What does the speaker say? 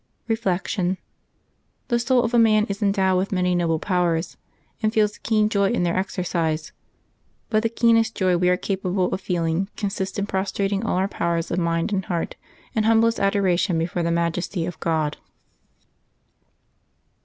Reflection. — The soul of a man is endowed with many noble powers, and feels a keen joy in their exercise; but the keenest joy we are capable of feeling consists in pros trating all our powers of mind and heart in humblest adoration before the majesty of God.